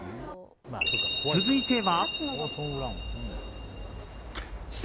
続いては。